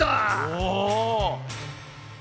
お！